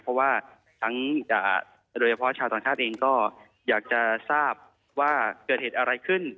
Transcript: เพราะว่าทั้งโดยเฉพาะชาวต่างชาติเองก็อยากจะทราบว่าเกิดเหตุอะไรขึ้น